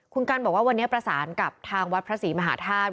คุณกันบอกว่าวันนี้ประสานกับทางวัดพระศรีมหาธาตุ